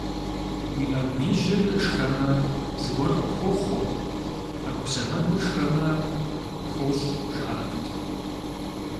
Уи Ӏэгу ижьыр шхэмэ, зыгуэр къыпхохъуэ, ӏэгу сэмэгур шхэмэ - пхощӀ, жаӀэрт.